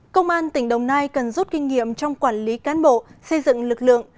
công an tỉnh đồng nai cần rút kinh nghiệm trong quản lý cán bộ xây dựng lực lượng